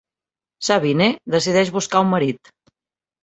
Sabine decideix buscar un marit.